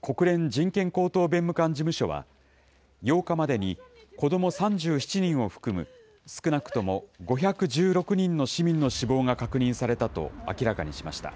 国連人権高等弁務官事務所は、８日までに子ども３７人を含む少なくとも５１６人の市民の死亡が確認されたと明らかにしました。